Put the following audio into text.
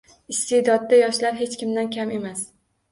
Iste’dodda yoshlar hech kimdan kam emas